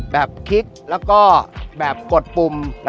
แบบคิดแล้วก็แบบกดปุ่ม